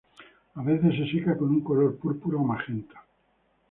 A veces se seca con un color púrpura o magenta.